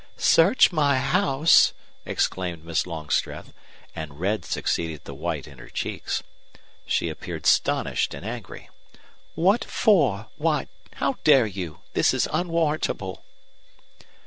"Search my house!" exclaimed Miss Longstreth; and red succeeded the white in her cheeks. She appeared astonished and angry. "What for? Why, how dare you! This is unwarrantable!"